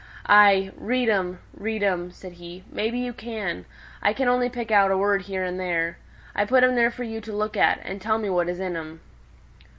"Ay, read 'em, read 'em," said he. "Maybe you can. I can only pick out a word here and there. I put 'em there for you to look at; and tell me what is in 'em."